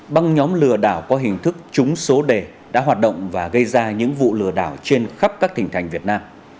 băng nhóm lừa đảo có hình thức trúng số đề đã hoạt động và gây ra những vụ lừa đảo trên khắp các thỉnh thành việt nam